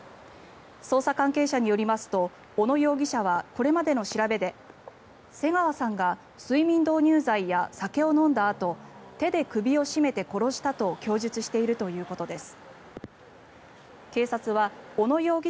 捜査関係者によりますと小野容疑者はこれまでの調べで瀬川さんが睡眠導入剤や酒を飲んだあと手で首を絞めて殺したと供述しているということです。